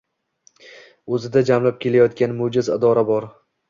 O‘zida jamlab kelayotgan mo‘jaz idora bor.